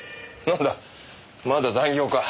なんだまだ残業か？